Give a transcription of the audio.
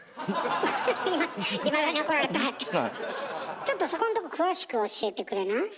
ちょっとそこんとこ詳しく教えてくれない？